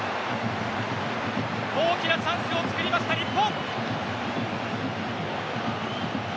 大きなチャンスをつくりました日本。